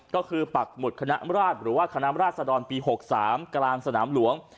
ก็คือปากหมุดคณะอำราษฎร์หรือว่าคณะอำราษฎร์สะดอนปี๖๓กรางสนามหลวง